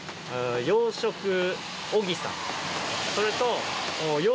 それと。